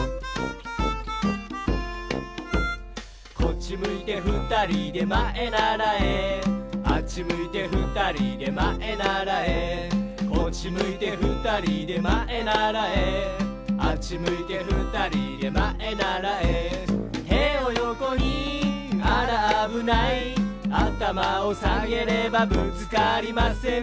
「こっちむいてふたりでまえならえ」「あっちむいてふたりでまえならえ」「こっちむいてふたりでまえならえ」「あっちむいてふたりでまえならえ」「てをよこにあらあぶない」「あたまをさげればぶつかりません」